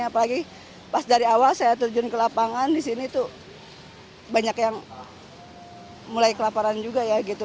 apalagi pas dari awal saya terjun ke lapangan di sini tuh banyak yang mulai kelaparan juga ya gitu